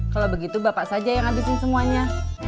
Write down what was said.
kalau begitu bapak saja yang ngabisin semuanya